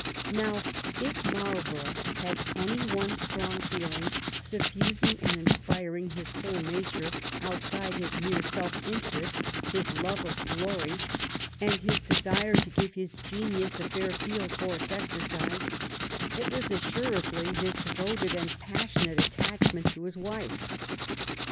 Now, if Marlborough had any one strong feeling suffusing and inspiring his whole nature outside his mere self interest, his love of glory, and his desire to give his genius a fair field for its exercise, it was assuredly his devoted and passionate attachment to his wife.